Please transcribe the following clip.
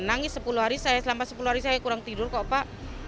nangis sepuluh hari saya selama sepuluh hari saya kurang tidur kok pak